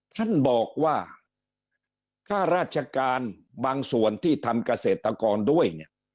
ท่านบอกว่าค่าราชการบางส่วนที่ทำเกษตรกรด้วยเนี่ย